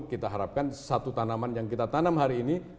kita harapkan satu tanaman yang kita tanam hari ini